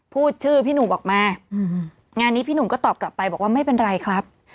พูดชื่อพี่หนุ่มออกมางานนี้พี่หนุ่มก็ตอบกลับไปบอกว่าไม่เป็นไรครับ